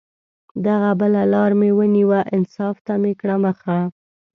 دغه بله لار مې ونیوه، انصاف ته مې کړه مخه